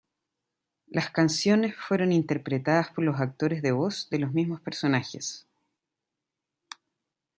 Las canciones fueron interpretadas por los actores de voz de los mismos personajes.